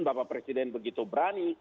bapak presiden begitu berani